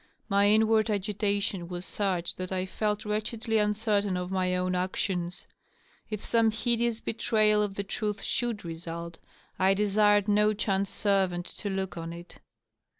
My inward agitation was such that I felt wretchedly uncertain of my own actions. If some hideous betrayal of the truth ahovM result, I desired no chance servant to look on it.